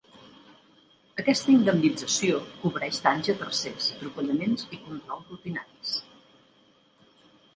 Aquesta indemnització cobreix danys a tercers, atropellaments i controls rutinaris.